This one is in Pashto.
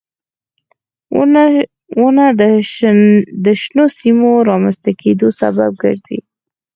• ونه د شنو سیمو رامنځته کېدو سبب ګرځي.